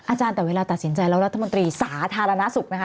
อาจารย์แต่เวลาตัดสินใจแล้วรัฐมนตรีสาธารณสุขนะคะ